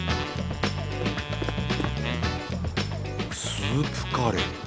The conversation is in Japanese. スープカレー。